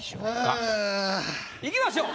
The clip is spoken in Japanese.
いきましょう。